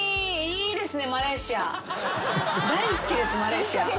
大好きですマレーシア。